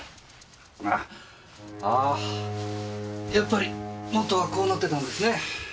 やっぱり元はこうなってたんですね。